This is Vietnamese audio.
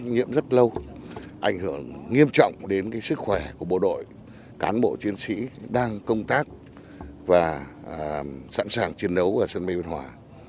nhiễm rất lâu ảnh hưởng nghiêm trọng đến sức khỏe của bộ đội cán bộ chiến sĩ đang công tác và sẵn sàng chiến đấu ở sân bay biên hòa